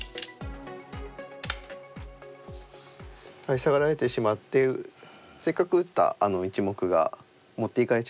サガられてしまってせっかく打った１目が持っていかれちゃいましたね。